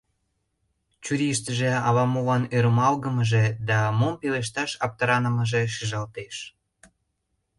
Чурийыштыже ала-молан ӧрмалгымыже да мом пелешташ аптыранымыже шижалтеш.